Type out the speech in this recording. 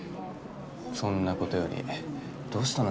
そんなことよりどうしたの？